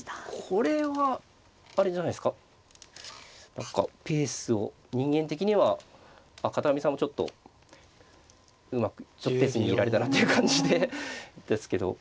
これはあれじゃないですか何かペースを人間的にはあっ片上さんもちょっとうまくペース握られたなっていう感じでですけど。